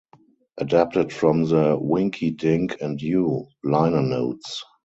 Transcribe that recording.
Adapted from the "Winky Dink and You" liner notes.